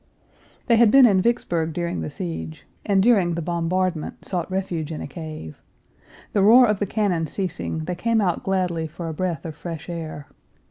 They had been in Vicksburg during the siege, and during the bombardment sought refuge in a cave. The roar of the cannon ceasing, they came out gladly for a breath of fresh air.